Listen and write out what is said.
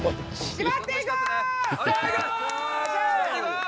きばっていこう！